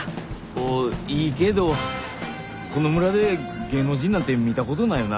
おっいいけどこの村で芸能人なんて見たことないよな。